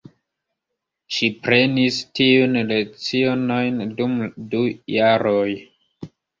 Ŝi prenis tiujn lecionojn dum du jaroj.